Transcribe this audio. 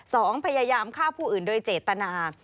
พยายามฆ่าผู้อื่นโดยเจตนา